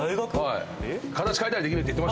形変えたりできるって言ってましたよね。